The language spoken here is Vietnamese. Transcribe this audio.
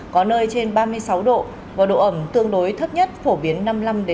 có nơi trên ba mươi sáu độ và độ ẩm tương đối thấp nhất phổ biến năm mươi năm